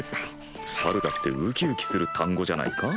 猿だってうきうきする単語じゃないか？